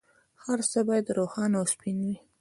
هر څه باید روښانه او سپین وي.